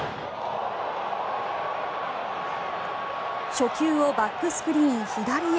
初球をバックスクリーン左へ。